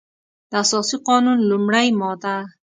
د اساسي قانون لمړۍ ماده